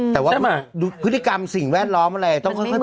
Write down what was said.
แต่ว่าพฤติกรรมสิ่งแวดล้อมอะไร